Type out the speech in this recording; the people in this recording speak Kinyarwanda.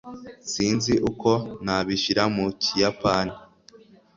Sinzi uko nabishyira mu Kiyapani.